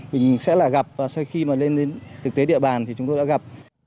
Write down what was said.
mình sẽ là gặp và sau khi mà lên đến thực tế địa bàn thì chúng tôi đã gặp